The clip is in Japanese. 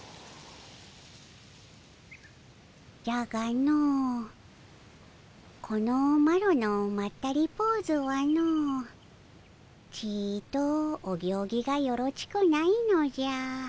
じゃがのこのマロのまったりポーズはのちとお行儀がよろちくないのじゃ。